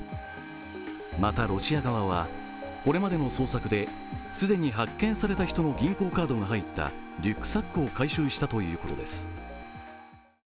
また、ロシア側は、これまでの捜索で既に発見された人の銀行カードが入ったリュックサックを回収したということです。